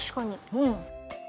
うん。